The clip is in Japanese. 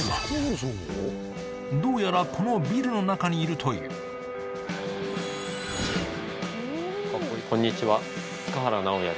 どうやらこのビルの中にいるというこんにちは。